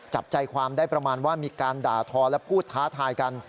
จับใจความได้ประมาณว่ามีการด่าทอและพูดท้าทายกัน